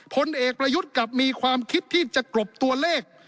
ผลเอกประยุทธ์กลับมีความคิดที่จะกรบตัวเลข